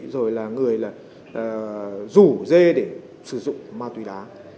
rủ dê để sử dụng ma túy đá